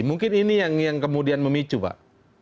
mungkin ini yang kemudian memicu pak